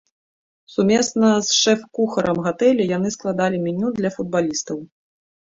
Сумесна з шэф-кухарам гатэля яны складалі меню для футбалістаў.